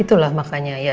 itulah makanya ya